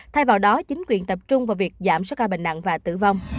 thay vào đó chính quyền tập trung vào việc giảm số ca bệnh nặng và tử vong